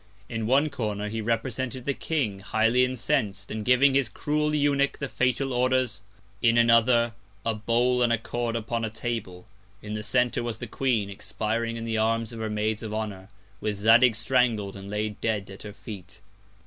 In one Corner, he represented the King highly incens'd, and giving his cruel Eunuch the fatal Orders; in another, a Bowl and a Cord upon a Table; in the Center was the Queen, expiring in the Arms of her Maids of Honour, with Zadig strangled, and laid dead at her Feet.